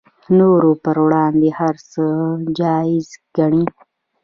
نورو پر وړاندې هر څه جایز ګڼي